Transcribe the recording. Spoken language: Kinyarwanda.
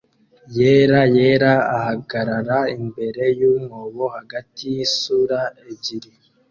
yera yera ahagarara imbere yumwobo hagati yisura ebyiri